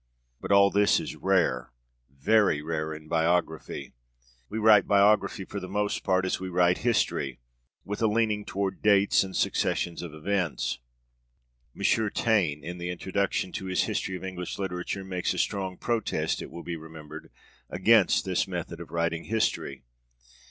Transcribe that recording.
But all this is rare, very rare in biography. We write biography, for the most part, as we write history with a leaning toward dates and successions of events. M. Taine in the introduction to his History of English Literature makes a strong protest, it will be remembered, against this method of writing history.